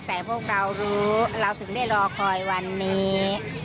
แต่พวกเรารู้เราถึงได้รอคอยวันนี้